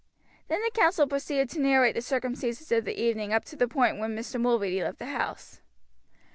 Then the counsel proceeded to narrate the circumstances of the evening up to the point when Mr. Mulready left the house.